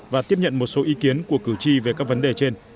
và tiếp nhận một số ý kiến của cử tri về các vấn đề trên